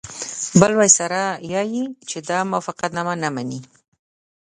بل وایسرا ووایي چې دا موافقتنامه نه مني.